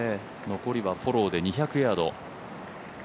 残りはフォローで２００ヤード